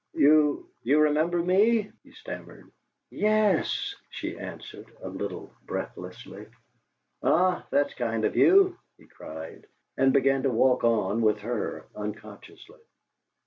"You you remember me?" he stammered. "Yes," she answered, a little breathlessly. "Ah, that's kind of you!" he cried, and began to walk on with her, unconsciously.